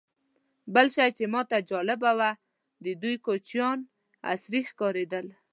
بل شی چې ماته جالبه و، د دوی کوچیان عصري ښکارېدل.